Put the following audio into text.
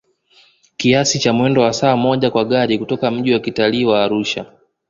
kiasi cha mwendo wa saa moja kwa gari kutoka mji wa kitalii wa Arusha